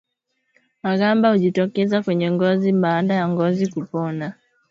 Magamba hujitokeza kwenye ngozi baada ya ngozi kupona